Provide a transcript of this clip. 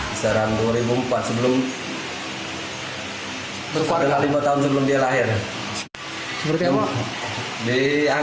yang terangkap apa main main